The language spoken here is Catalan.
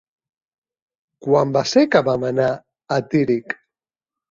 Quan va ser que vam anar a Tírig?